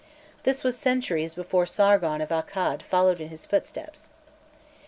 This was centuries before Sargon of Akkad followed in his footsteps.